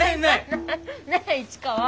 ねえ市川。